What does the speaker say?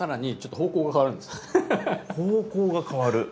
方向が変わる？